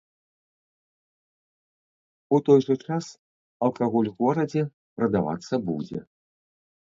У той жа час алкаголь у горадзе прадавацца будзе.